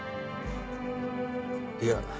いや。